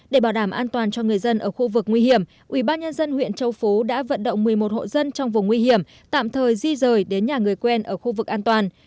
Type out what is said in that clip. để bảo đảm an toàn cho người dân ở khu vực nguy hiểm ubnd huyện châu phú đã vận động một mươi một hộ dân trong vùng nguy hiểm tạm thời di rời đến nhà người quen ở khu vực an toàn